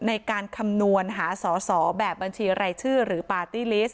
ในการคำนวณหาสอสอแบบบัญชีรายชื่อหรือปาร์ตี้ลิสต